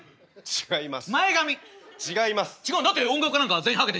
違います。